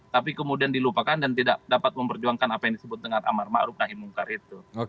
tapi kemudian dilupakan dan tidak dapat memperjuangkan apa yang disebut dengan amar ma'ruf nahi mongkar itu